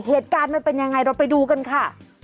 เหตุการณ์มันเป็นยังไงเราไปดูกันค่ะ